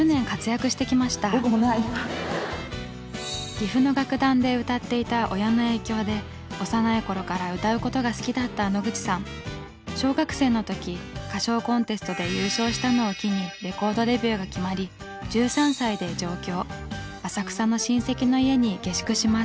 岐阜の楽団で歌っていた親の影響で小学生の時歌唱コンテストで優勝したのを機にレコードデビューが決まり１３歳で上京。